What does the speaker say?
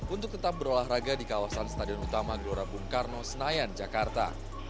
untuk tetap berolahraga di kawasan stadion utama gelora bung karno senayan jakarta